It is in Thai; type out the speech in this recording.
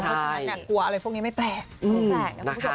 เพราะฉะนั้นกลัวเลยพวกนี้ไม่แปลก